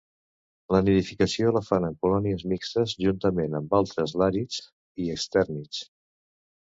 La nidificació la fan en colònies mixtes juntament amb altres làrids i estèrnids.